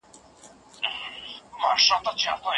که یو زده کوونکی په املا کي تېروتنه ونه کړي.